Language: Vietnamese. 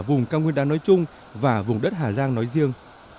vùng cao nguyên đá nói chung và vùng đất hà giang nói riêng